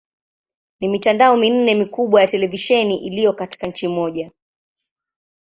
Ni mitandao minne mikubwa ya televisheni iliyo katika nchi moja.